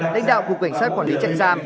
đánh đạo của cảnh sát quản lý trạng giam